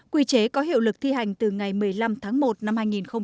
quy chế có hiệu lực thi hành từ ngày một mươi năm tháng một năm hai nghìn hai mươi